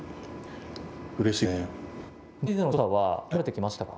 慣れてきましたか？